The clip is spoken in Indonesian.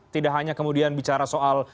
tidak hanya kemudian bicara soal